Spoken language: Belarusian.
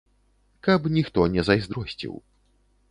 Каб ніхто не зайздросціў.